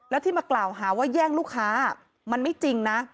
แล้วที่มากล่าวหาว่าแย่งลูกค้ามันไม่จริงนะ